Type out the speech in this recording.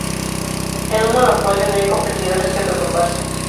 En un monopolio, no hay competidores que preocuparse.